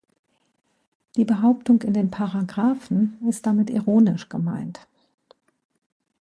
Die Behauptung in den "Paragraphen" ist damit ironisch gemeint.